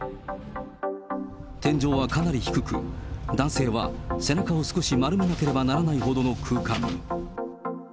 天井はかなり低く、男性は背中を少し丸めなければならないほどの空間。